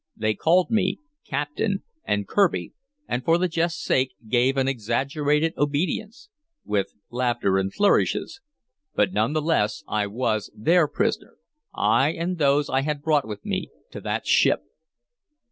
They called me "captain" and "Kirby," and for the jest's sake gave an exaggerated obedience, with laughter and flourishes; but none the less I was their prisoner, I and those I had brought with me to that ship.